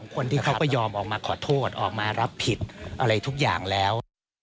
คนที่เขาก็ยอมออกมาขอโทษออกมารับผิดอะไรทุกอย่างแล้ว